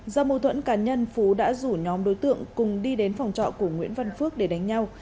do mâu thuẫn cá nhân phú đã rủ nhóm đối tượng cùng đi đến phòng trọ của nguyễn văn phước để đánh nhau